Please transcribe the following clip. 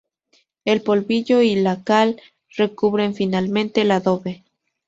El polvillo y la cal recubren finalmente el adobe".